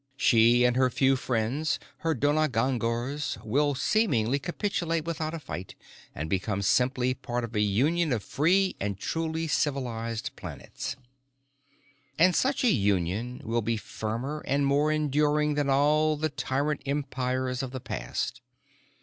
She and her few friends, her donagangors, will seemingly capitulate without a fight and become simply part of a union of free and truly civilized planets. And such a union will be firmer and more enduring than all the tyrant empires of the past.